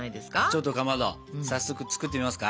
ちょっとかまど早速作ってみますか。